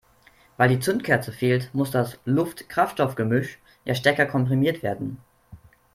Weil die Zündkerze fehlt, muss das Luft-Kraftstoff-Gemisch ja stärker komprimiert werden.